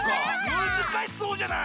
むずかしそうじゃない！